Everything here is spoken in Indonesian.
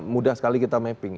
mudah sekali kita mapping